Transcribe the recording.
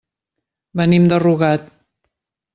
Venim de Rugat.